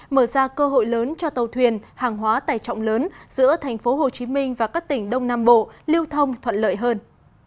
mở ra cơ hội lớn cho tàu thuyền hàng hóa tài trọng lớn giữa thành phố hồ chí minh và các tỉnh đông nam bộ liêu thông thuận lợi hơn